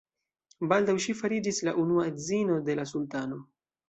Baldaŭ ŝi fariĝis la Unua edzino de la sultano.